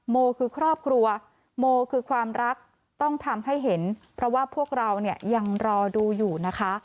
โมคือครอบครัวโมคือความรักต้องทำให้เห็นเพราะว่าพวกเราเนี่ยยังรอดูอยู่นะคะ